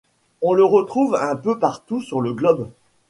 On la retrouve un peu partout sur le globe.